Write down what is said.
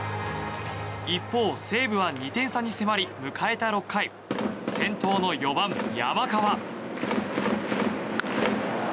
一方、西武は２点差に迫り迎えた６回先頭の４番、山川。